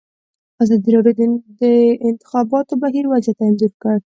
ازادي راډیو د د انتخاباتو بهیر وضعیت انځور کړی.